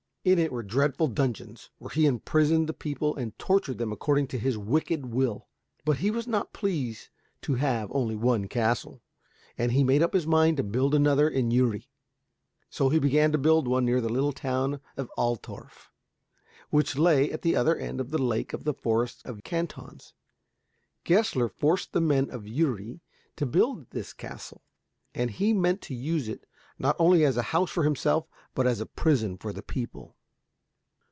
In it were dreadful dungeons where he imprisoned the people and tortured them according to his wicked will. But he was not pleased to have only one castle, and he made up his mind to build another in Uri. So he began to build one near the little town of Altorf, which lay at the other end of the Lake of the Forest Cantons. Gessler forced the men of Uri to build this castle, and he meant to use it not only as a house for himself, but as a prison for the people.